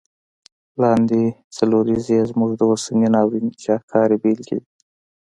لاندي څلوریځي یې زموږ د اوسني ناورین شاهکاري بیلګي دي.